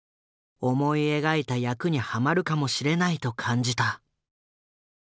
思い描いた役にハマるかもしれないと感じた。